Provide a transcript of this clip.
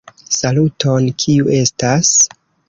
Saluton, kiu estas?